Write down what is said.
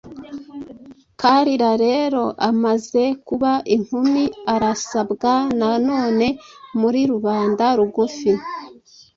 Kalira rero amaze kuba inkumi arasabwa, na none muri rubanda rugufi.